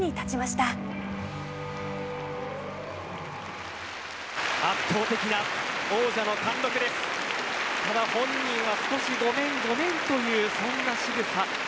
ただ、本人は少し、ごめんごめんというそんなしぐさ。